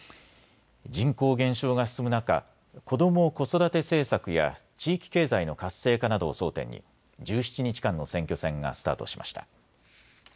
人口減少が進む中、子ども・子育て政策や地域経済の活性化などを争点に１７日間の選挙戦がスタートしました。